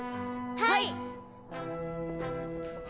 はい！